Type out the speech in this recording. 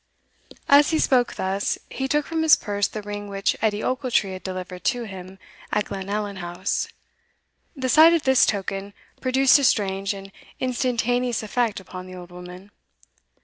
As he spoke thus, he took from his purse the ring which Edie Ochiltree had delivered to him at Glenallan House. The sight of this token produced a strange and instantaneous effect upon the old woman.